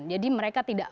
jadi mereka tidak